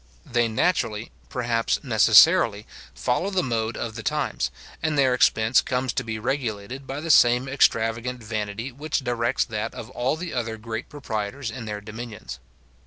They naturally, perhaps necessarily, follow the mode of the times; and their expense comes to be regulated by the same extravagant vanity which directs that of all the other great proprietors in their dominions.